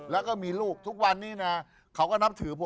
แล้วก็มีลูกทุกวันนี้นะเขาก็นับถือผม